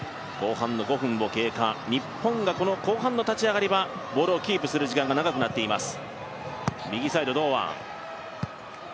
日本が後半の立ち上がりはボールをキープする時間が長くなっています。